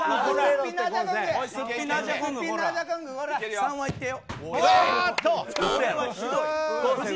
３はいってよ。